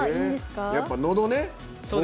やっぱ、のどね。